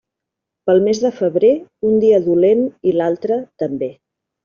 Pel mes de febrer, un dia dolent i l'altre també.